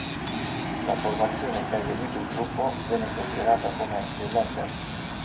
La formazione che ha eseguito il gruppo venne considerata come "The Ladders".